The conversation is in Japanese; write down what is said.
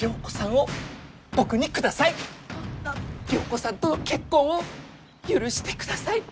良子さんとの結婚を許してください！